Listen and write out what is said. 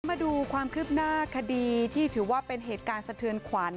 มาดูความคืบหน้าคดีที่ถือว่าเป็นเหตุการณ์สะเทือนขวัญ